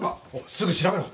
すぐ調べろ。